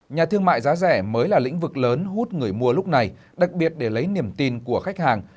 nhà thương mại giá rẻ mới là lĩnh vực lớn hút người mua lúc này đặc biệt để lấy niềm tin của khách hàng